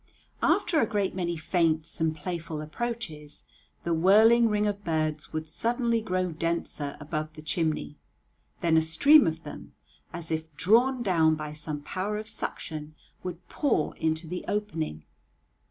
After a great many feints and playful approaches, the whirling ring of birds would suddenly grow denser above the chimney; then a stream of them, as if drawn down by some power of suction, would pour into the opening.